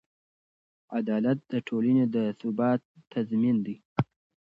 عدالت د ټولنې د ثبات تضمین دی.